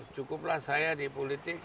cukuplah saya di politik